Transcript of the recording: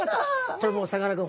これもうさかなクン